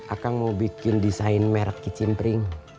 aku mau bikin desain merek kicim pring